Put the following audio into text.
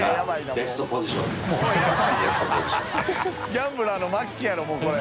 ギャンブラーの末期やろもうこれ。